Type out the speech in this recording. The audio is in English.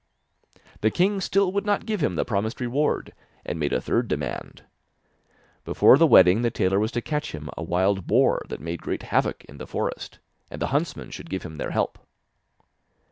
The king still would not give him the promised reward, and made a third demand. Before the wedding the tailor was to catch him a wild boar that made great havoc in the forest, and the huntsmen should give him their help.